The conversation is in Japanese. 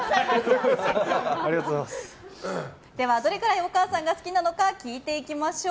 では、どれくらいお母さんが好きなのか聞いていきましょう。